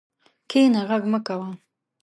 کښېنه، غږ مه کوه.